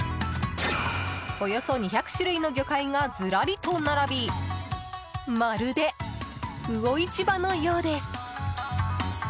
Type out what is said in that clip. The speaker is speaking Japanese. およそ２００種類の魚介がずらりと並びまるで魚市場のようです。